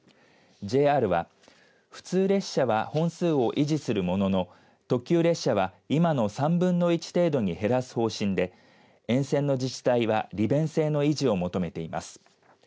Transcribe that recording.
ＪＲは、普通列車は本数を維持するものの特急列車は、今の３分の１程度に減らす方針で沿線の自治体は利便性の維持を求めています。